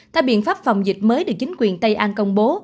theo biện pháp phòng dịch mới được chính quyền tây an công bố